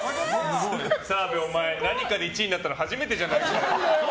澤部お前、何かで１位になったの初めてじゃないか？